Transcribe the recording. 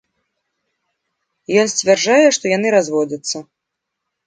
Ён сцвярджае, што яны разводзяцца.